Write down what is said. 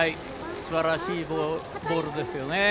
すばらしいボールですよね。